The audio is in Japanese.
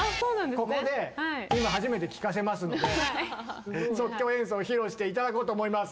ここで今初めて聴かせますので即興演奏を披露して頂こうと思います。